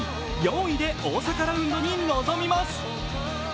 ４位で大阪ラウンドに臨みます。